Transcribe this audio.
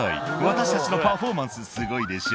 「私たちのパフォーマンスすごいでしょ」